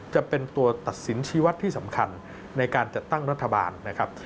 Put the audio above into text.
จะเป็นตัวตัดสินชีวัตรที่สำคัญในการจัดตั้งรัฐบาลนะครับ